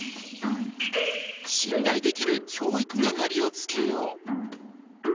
信頼できる教育係をつけよう。